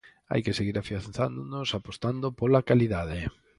Hai que seguir afianzándonos, apostando pola calidade.